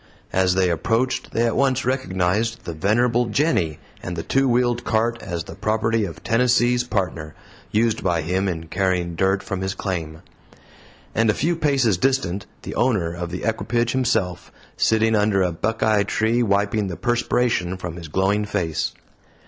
As they approached, they at once recognized the venerable "Jenny" and the two wheeled cart as the property of Tennessee's Partner used by him in carrying dirt from his claim; and a few paces distant the owner of the equipage himself, sitting under a buckeye tree, wiping the perspiration from his glowing face.